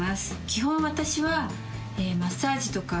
基本私は。